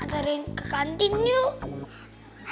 antara yang ke kantin yuk